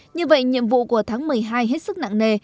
như vậy nhiệm vụ của tháng một mươi hai hết sức nặng nề